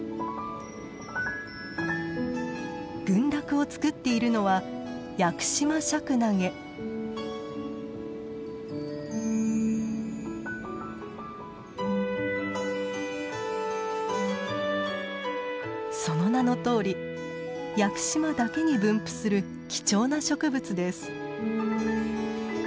群落をつくっているのはその名のとおり屋久島だけに分布する貴重な植物です。